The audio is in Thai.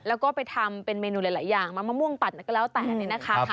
แล้วก็ไปทำเป็นเมนูหลายอย่างมามะม่วงปัดก็แล้วแต่เนี่ยนะคะ